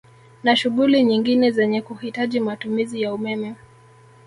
Na shughuli nyingine zenye kuhitaji matumizi ya umeme